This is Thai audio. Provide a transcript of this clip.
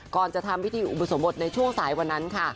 ก่อนจะทำพิธีอุปสมบทในช่วงสายวันนั้นค่ะ